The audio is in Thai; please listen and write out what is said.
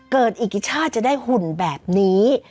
เกิดอีกกี่ชาติจะได้หุ่นแบบนี้